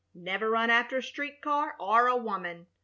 'Never run after a street car or a woman.